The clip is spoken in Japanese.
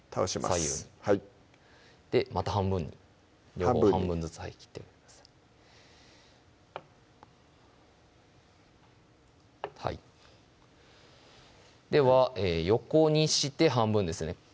左右にまた半分に両方半分ずつ切って半分にはいでは横にして半分ですね